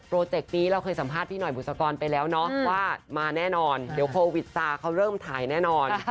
เจกต์นี้เราเคยสัมภาษณ์พี่หน่อยบุษกรไปแล้วเนาะว่ามาแน่นอนเดี๋ยวโควิดซาเขาเริ่มถ่ายแน่นอน